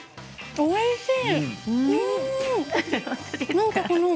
おいしい。